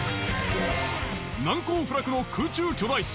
難攻不落の空中巨大巣